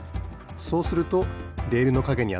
そうするとレールのかげにあったドミノ